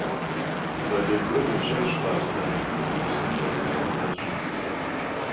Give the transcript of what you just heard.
Khalen guer khıpşêş' khafem, vui psem f'ef'u bğezaş'eu.